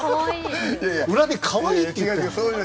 裏でかわいいって言ってるの？